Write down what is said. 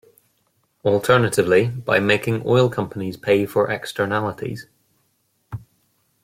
Alternatively, by making oil companies pay for externalities.